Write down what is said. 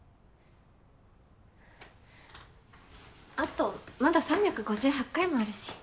後まだ３５８回もあるし。